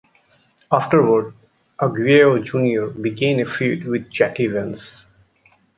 Afterward, Aguayo Junior began a feud with Jack Evans.